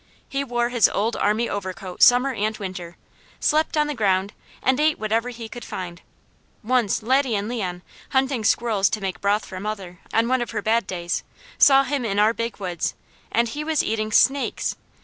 He wore his old army overcoat summer and winter, slept on the ground, and ate whatever he could find. Once Laddie and Leon, hunting squirrels to make broth for mother on one of her bad days, saw him in our Big Woods and he was eating SNAKES.